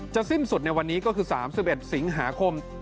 สิ้นสุดในวันนี้ก็คือ๓๑สิงหาคม